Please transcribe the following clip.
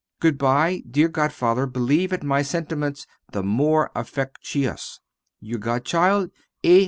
Goodbye dear godfather; believe at my sentiments the more affectuous, Your godchild, A.